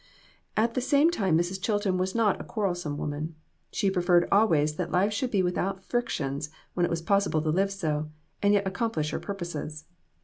At the same time Mrs. Chilton was not a quarrelsome woman. She preferred always that life should be without frictions when it was possi ble to live so, and yet accomplish her purposes.